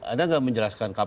ada nggak menjelaskan